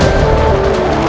aku sudah menang